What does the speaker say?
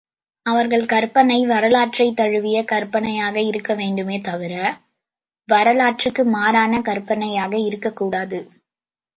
அவர்கள் கற்பனை, வரலாற்றைத் தழுவிய கற்பனையாக இருக்க வேண்டுமே தவிர, வரலாற்றுக்கு மாறான கற்பனையாக இருக்கக் கூடாது.